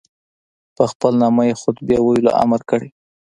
په خپل نامه یې خطبې ویلو امر کړی.